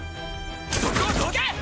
そこをどけ！